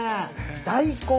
大根